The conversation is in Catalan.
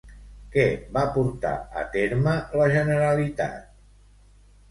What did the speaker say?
Què va portar a terme la Generalitat?